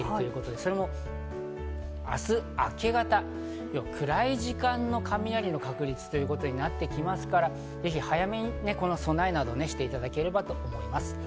それも明日明け方、暗い時間の雷の確率ということになってきますから、ぜひ早めに備えなどをしていただければと思います。